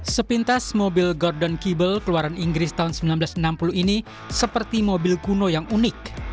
sepintas mobil gordon kibel keluaran inggris tahun seribu sembilan ratus enam puluh ini seperti mobil kuno yang unik